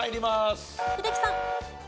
英樹さん。